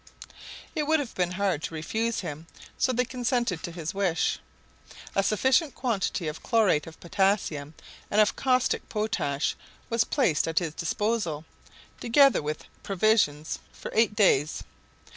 It would have been hard to refuse him; so they consented to his wish. A sufficient quantity of chlorate of potassium and of caustic potash was placed at his disposal, together with provisions for eight days.